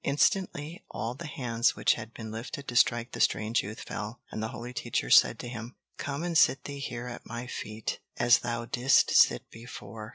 Instantly, all the hands which had been lifted to strike the strange youth fell, and the holy teacher said to him: "Come and sit thee here at my feet, as thou didst sit before!